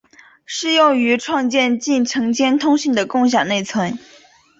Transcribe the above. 适用于创建进程间通信的共享内存。